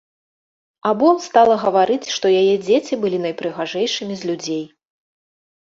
Або стала гаварыць, што яе дзеці былі найпрыгажэйшымі з людзей.